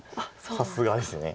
さすがです。